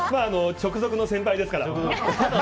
直属の先輩ですから。